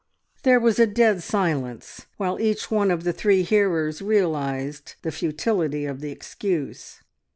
There was a dead silence, while each one of the three hearers realised the futility of the excuse.